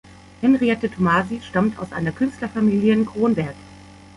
Henriette Tomasi stammt aus einer Künstlerfamilie in Kronberg.